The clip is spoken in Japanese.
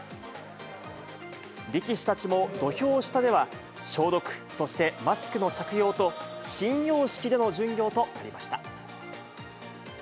力士たちも土俵下では、消毒、そしてマスクの着用と、新様式での巡業となりました。